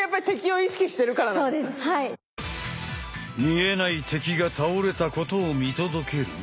見えない敵が倒れたことを見届ける